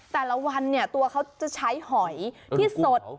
แต่ละวันเนี่ยตัวเขาจะใช้หอยที่สด